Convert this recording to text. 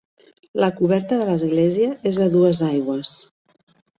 La coberta de l'església és a dues aigües.